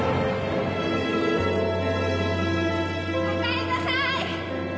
おかえりなさい！